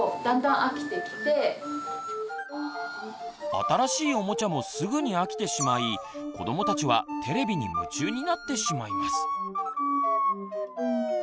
新しいおもちゃもすぐに飽きてしまい子どもたちはテレビに夢中になってしまいます。